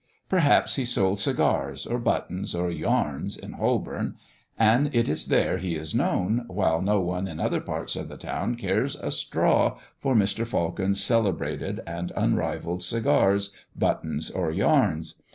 Perhaps he sold cigars, or buttons, or yarns, in Holborn; and it is there he is known, while no one in other parts of the town cares a straw for Mr. Falcon's celebrated and unrivalled cigars, buttons, or yarns.